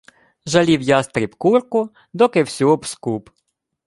Жалів яструб курку — доки всю обскуб.